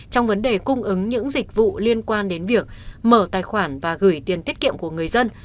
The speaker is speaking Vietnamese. trong vấn đề cung ứng những dịch vụ liên quan đến việc mở tài khoản và gửi tiền tiết kiệm của người dân